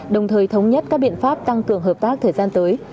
đồng thời thống nhất các biện pháp tăng cường hợp tác thời gian tới